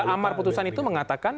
amar putusan itu mengatakan